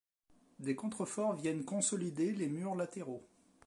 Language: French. Des contreforts viennent consolider les murs latéraux.